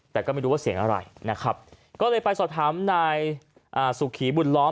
แต่ก็ไม่รู้ว่าเสียงอะไรนะครับก็เลยไปสอบถามนายสุขีบุญล้อม